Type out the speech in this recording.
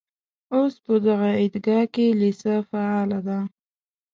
اوس په دغه عیدګاه کې لېسه فعاله ده.